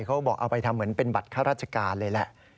เขาบอกเอาไปทำเหมือนเป็นบัตรข้าราชการเลยแหละ